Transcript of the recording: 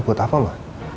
buat apa ma